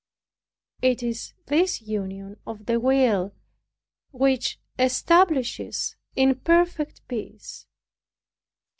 It is this union of the will which establishes in perfect peace.